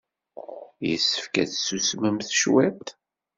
Yessefk ad tsusmemt cwiṭ.